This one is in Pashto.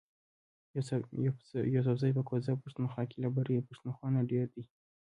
یوسفزي په کوزه پښتونخوا کی له برۍ پښتونخوا نه ډیر دي